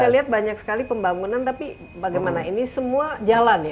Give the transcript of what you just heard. saya lihat banyak sekali pembangunan tapi bagaimana ini semua jalan ya